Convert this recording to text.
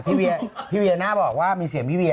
พี่เวียน่าบอกว่ามีเสียงพี่เวีย